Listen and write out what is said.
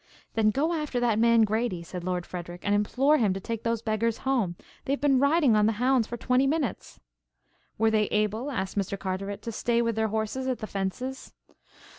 "Then go after that man Grady," said Lord Frederic, "and implore him to take those beggars home. They have been riding on the hounds for twenty minutes." "Were they able," asked Mr. Carteret, "to stay with their horses at the fences?"